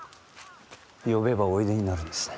呼べばおいでになるんですね。